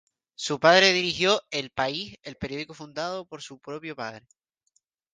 Su padre dirigió "El País", el periódico fundado por su propio padre.